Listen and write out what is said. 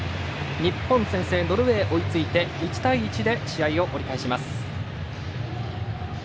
日本先制、ノルウェー追いついて１対１で試合を折り返します。